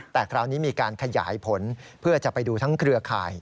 แต่คราวนี้มีการขยายผลเพื่อจะไปดูทั้งเครือข่าย